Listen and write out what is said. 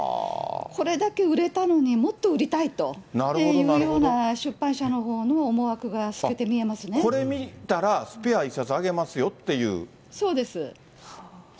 これだけ売れたのにもっと売りたいというような出版社のほうの思これ見たら、スペア１冊あげそうです。